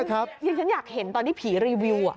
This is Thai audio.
ที่ฉันอยากเห็นตอนที่ผีรีวิว